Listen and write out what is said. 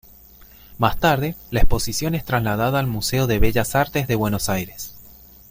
Más tarde, la exposición es trasladada al Museo de Bellas Artes de Buenos Aires.